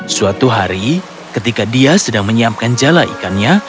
suatu hari ketika dia sedang menyiapkan jala ikannya